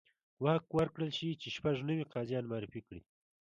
واک ورکړل شي چې شپږ نوي قاضیان معرفي کړي.